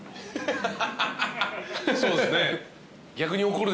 そうですね。